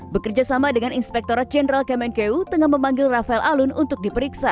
bekerjasama dengan inspektorat jenderal kmnku tengah memanggil rafael alun untuk diperiksa